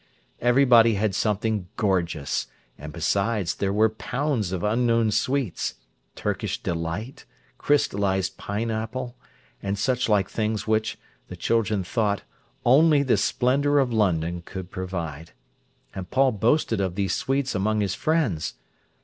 Everybody had something gorgeous, and besides, there were pounds of unknown sweets: Turkish delight, crystallised pineapple, and such like things which, the children thought, only the splendour of London could provide. And Paul boasted of these sweets among his friends.